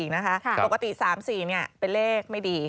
๓๔๔นะคะปกติ๓๔เนี่ยเป็นเลขไม่ดี